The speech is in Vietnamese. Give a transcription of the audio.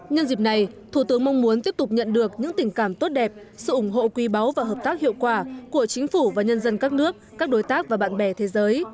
nhân dịp này thủ tướng mong muốn tiếp tục nhận được những tình cảm tốt đẹp sự ủng hộ quý báu và hợp tác hiệu quả của chính phủ và nhân dân các nước các đối tác và bạn bè thế giới